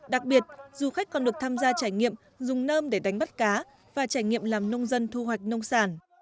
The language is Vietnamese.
đặc biệt du khách còn được tham gia trải nghiệm dùng nơm để đánh bắt cá và trải nghiệm làm nông dân thu hoạch nông sản